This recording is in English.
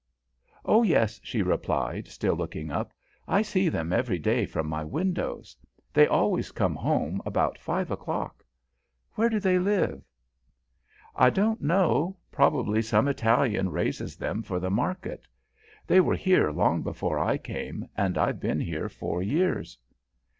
"Oh, yes," she replied, still looking up. "I see them every day from my windows. They always come home about five o'clock. Where do they live?" "I don't know. Probably some Italian raises them for the market. They were here long before I came, and I've been here four years."